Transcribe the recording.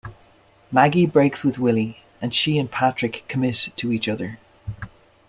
Maggie breaks with Willie, and she and Patrick commit to each other.